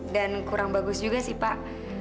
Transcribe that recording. dan kurang bagus juga sih pak